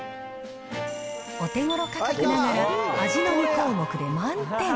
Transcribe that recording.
お手ごろ価格ながら味の２項目で満点。